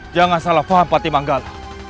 jangan salah paham pati manggal